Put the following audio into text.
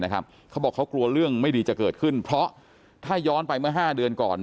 เขาบอกเขากลัวเรื่องไม่ดีจะเกิดขึ้นเพราะถ้าย้อนไปเมื่อ๕เดือนก่อน